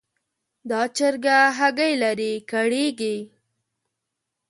دا چرګه هګۍ لري؛ کړېږي.